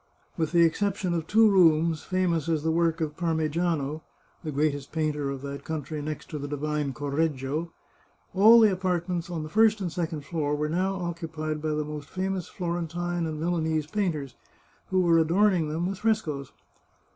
With the exception of two rooms, famous as the work of Parmegiano, the greatest painter of that coun try next to the divine Correggio, all the apartments on the first and second floor were now occupied by the most famous Florentine and Milanese painters, who were adorning them with frescoes.